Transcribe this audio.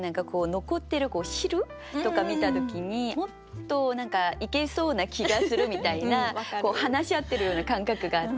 残ってる汁とか見た時にもっといけそうな気がするみたいな話し合ってるような感覚があって。